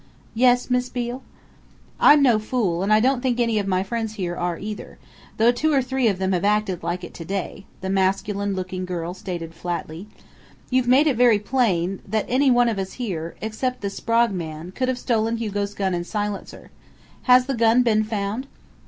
"Yes, Miss Beale?" "I'm no fool, and I don't think any of my friends here are either though two or three of them have acted like it today," the masculine looking girl stated flatly. "You've made it very plain that any one of us here, except the Sprague man, could have stolen Hugo's gun and silencer.... Has the gun been found?"